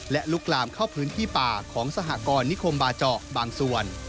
และลุกลามเข้าพื้นที่ป่าของสหกรนิคมบาเจาะบางส่วน